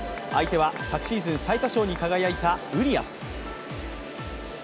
相手は昨シーズン最多勝に輝いたウリアス。